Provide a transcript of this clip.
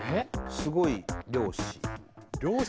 「すごい漁師」。